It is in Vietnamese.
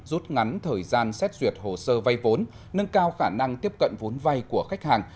rút ngắn thời gian xét duyệt hồ sơ vay vốn nâng cao khả năng tiếp cận vốn vay của khách hàng